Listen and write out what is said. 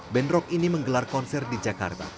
begini tenerang suara mercedes